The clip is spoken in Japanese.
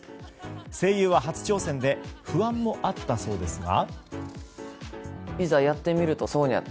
声優は初挑戦で不安もあったそうですが。